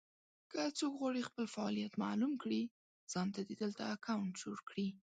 که څوک غواړي خپل فعالیت مالوم کړي ځانته دې دلته اکونټ جوړ کړي.